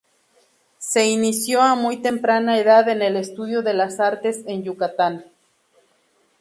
Se inició a muy temprana edad en el estudio de las artes en Yucatán.